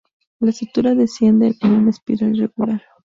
La sutura desciende en una espiral irregular.